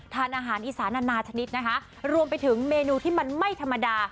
ทานอาหารอีสานนานาชนิดนะคะรวมไปถึงเมนูที่มันไม่ธรรมดา